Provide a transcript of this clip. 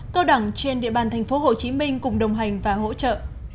cao đẳng trên địa bàn tp hcm cùng đồng hành và hỗ trợ